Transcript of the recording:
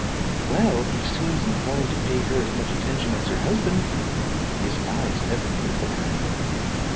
"Well, he seems inclined to pay her as much attention as her husband. His eyes never move from her."